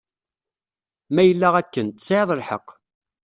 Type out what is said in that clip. Ma yella akken, tesɛiḍ lḥeqq.